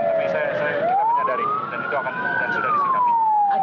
tapi kita menyadari dan itu akan sudah disingkirkan